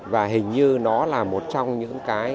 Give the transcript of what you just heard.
và hình như nó là một trong những cái